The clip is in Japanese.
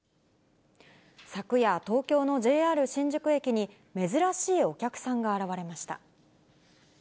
昨夜、東京のＪＲ新宿駅に、珍しいお客さんが現れました。